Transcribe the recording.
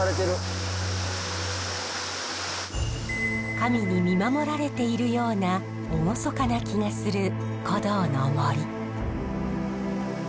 神に見守られているような厳かな気がする古道の森。